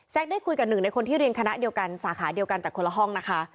ได้คุยกับหนึ่งในคนที่เรียนคณะเดียวกันสาขาเดียวกันแต่คนละห้องนะคะ